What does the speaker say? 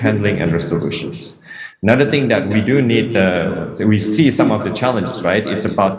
hal yang sangat penting ini adalah hal yang sangat penting ini adalah hal yang sangat penting ini adalah